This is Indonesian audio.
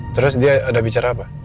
terus dia ada bicara apa